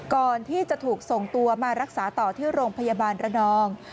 ก่อนที่จะถูกส่งตัวมารักษาต่อที่โรงพยาบาลระนอง